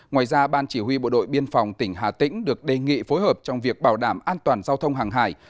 ngoài ra ban chỉ huy bộ đội biên phòng tỉnh hà tĩnh được đề nghị phối hợp trong việc bảo đảm an toàn giao thông hàng hải